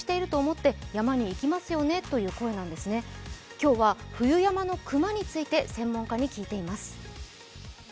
今日は冬山の熊について専門家に聞いています。